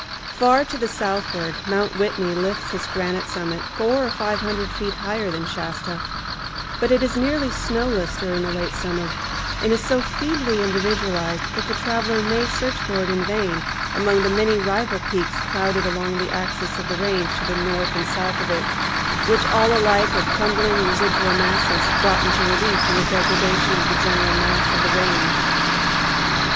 Far to the southward Mount Whitney lifts its granite summit four or five hundred feet higher than Shasta, but it is nearly snowless during the late summer, and is so feebly individualized that the traveler may search for it in vain among the many rival peaks crowded along the axis of the range to north and south of it, which all alike are crumbling residual masses brought into relief in the degradation of the general mass of the range.